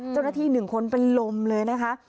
เจ้าหน้าที่๑คนเป็นลมเลยนะคะ